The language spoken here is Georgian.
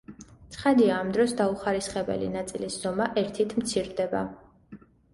ცხადია, ამ დროს დაუხარისხებელი ნაწილის ზომა ერთით მცირდება.